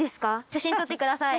写真撮ってください。